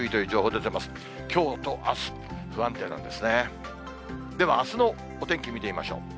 では、あすのお天気見てみましょう。